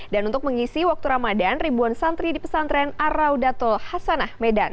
dan untuk mengisi waktu ramadan ribuan santri di pesantren ar raudatul hasanah medan